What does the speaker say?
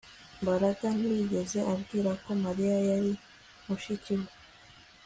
Mbaraga ntiyigeze ambwira ko Mariya yari mushiki we